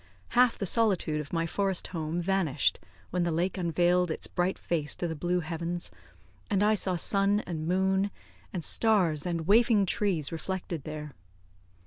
Half the solitude of my forest home vanished when the lake unveiled its bright face to the blue heavens, and I saw sun and moon, and stars and waving trees reflected there.